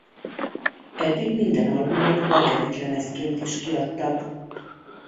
Eddig minden albumot Bakelit lemezként is kiadtak.